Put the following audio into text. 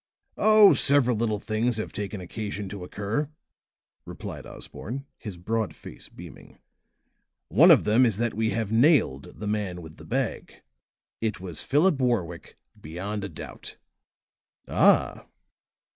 "Oh, several little things have taken occasion to occur," replied Osborne, his broad face beaming. "One of them is that we have nailed the man with the bag. It was Philip Warwick, beyond a doubt." "Ah!"